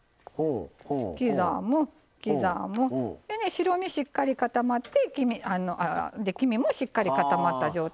白身しっかり固まって黄身もしっかり固まった状態。